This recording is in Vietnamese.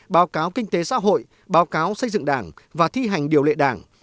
báo cáo kinh tế xã hội báo cáo xây dựng đảng và thi hành điều lệ đảng